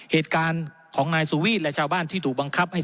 เหตุการณ์ของนายสุวีทและชาวบ้านที่ถูกบังคับให้